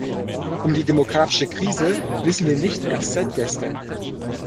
Um die demografische Krise wissen wir nicht erst seit gestern.